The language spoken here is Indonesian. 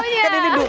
kan ini tuh